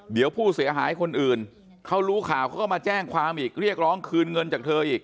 เดี๋ยวผู้เสียหายคนอื่นเขารู้ข่าวเขาก็มาแจ้งความอีกเรียกร้องคืนเงินจากเธออีก